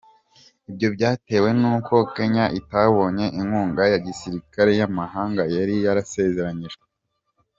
Ibyo byatewe n’uko Kenya itabonye inkunga ya gisirikare y’amahanga yari yarasezeranyijwe.